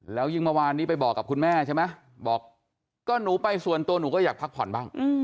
แล้วยิ่งเมื่อวานนี้ไปบอกกับคุณแม่ใช่ไหมบอกก็หนูไปส่วนตัวหนูก็อยากพักผ่อนบ้าง